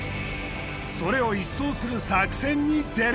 それを一掃する作戦に出る！